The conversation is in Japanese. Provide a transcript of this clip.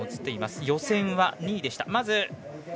予選は２位でした。